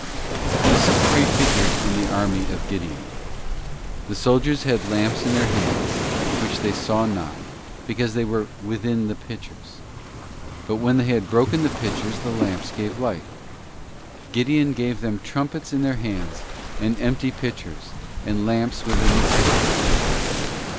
— This is prefigured in the army of Gideon: the soldiers had lamps in their hands, which they saw not, because they were 'within the pitchers.' _ But when they had broken the pitchers the lamps gave light. Gideon 'gave them trumpets in their hands, and empty pitchers, and lamps within the pitchers.